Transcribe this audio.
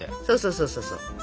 そうそうそう。